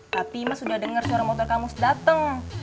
tapi imas udah denger suara motor kamus dateng